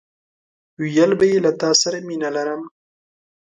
ويل به يې له تاسره مينه لرم!